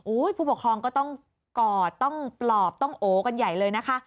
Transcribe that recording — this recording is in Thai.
ผู้ปกครองก็ต้องกอดต้องปลอบต้องโอกันใหญ่เลยนะคะ